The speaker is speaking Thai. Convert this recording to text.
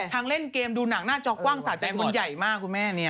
เล่นเกมดูหนังหน้าจอกว้างสะใจคนใหญ่มากคุณแม่เนี่ย